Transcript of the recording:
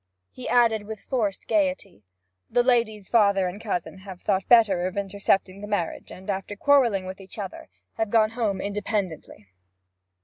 He added with forced gaiety, 'The lady's father and cousin have thought better of intercepting the marriage, and after quarrelling with each other have gone home independently.'